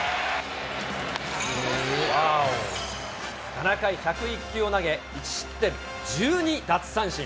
７回１０１球を投げ１失点１２奪三振。